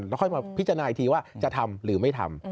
แล้วค่อยมาพิจารณาอีกทีว่าจะทำหรือไม่ทำ